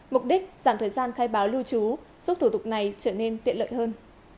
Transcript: mục đích giảm thời gian khai báo lưu trú giúp thủ tục này trở nên tiện lợi hơn